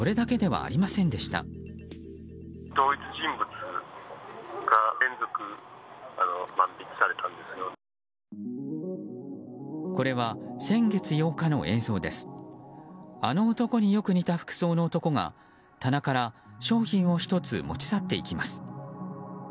あの男によく似た服装の男が棚から商品を１つ持ち去っていきます。